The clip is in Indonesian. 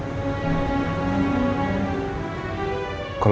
kalo aku sudah bikin kamu sangat kecewa